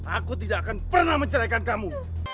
aku tidak akan pernah menceraikan kamu